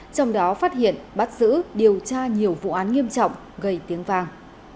trong đó phát hiện bắt giữ điều tra nhiều vụ án nghiêm trọng gây tiếng vang